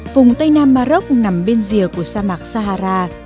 vùng tây nam bà rốc nằm bên rìa của sa mạc sahara